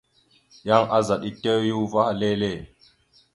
Yan azaɗ etew ya uvah lele.